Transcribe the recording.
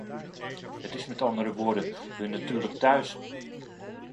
Het is met andere woorden hun natuurlijk thuis.